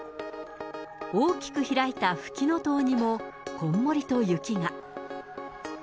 大きく開いたフキノトウにもこんもりと雪が。